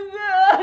nggak udah kacau